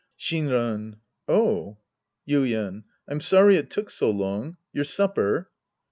Shinran. Oh. Yuien. I'm sorry it toolc so long. Your supper